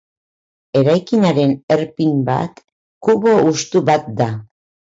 Eraikinaren erpin bat kubo hustu bat da.